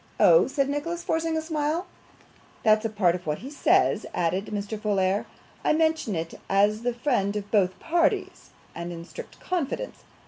'Oh!' said Nicholas, forcing a smile. 'That's a part of what he says,' added Mr. Folair. 'I mention it as the friend of both parties, and in strict confidence.